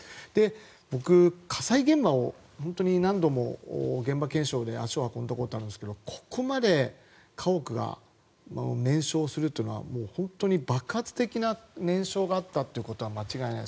僕、火災現場本当に何度も現場検証で足を運んだことがあるんですがここまで家屋が燃焼するというのは本当に爆発的な燃焼があったということは間違いない。